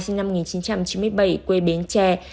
sinh năm một nghìn chín trăm chín mươi bảy quê bến tre